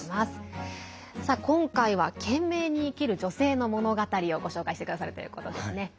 今回は懸命に生きる女性の物語をご紹介いただくということですね。